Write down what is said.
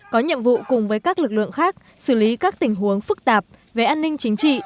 có nhiệm vụ cùng với các lực lượng khác xử lý các tình huống phức tạp về an ninh chính trị